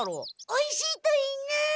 おいしいといいな！